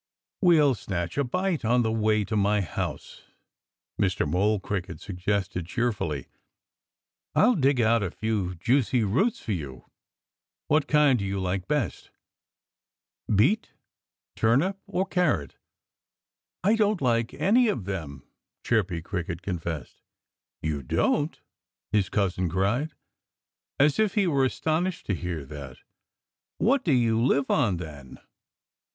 "We'll snatch a bite on the way to my house," Mr. Mole Cricket suggested cheerfully. "I'll dig out a few juicy roots for you. Which kind do you like best beet, turnip or carrot?" "I don't like any of them," Chirpy Cricket confessed. "You don't!" his cousin cried, as if he were astonished to hear that. "What do you live on, then?"